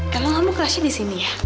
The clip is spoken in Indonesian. kalau kamu kelasnya di sini ya